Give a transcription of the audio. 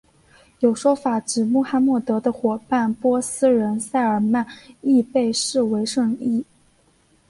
有说法指穆罕默德的伙伴波斯人塞尔曼亦被视为圣裔。